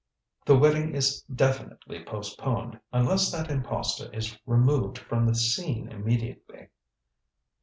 The wedding is indefinitely postponed, unless that impostor is removed from the scene immediately."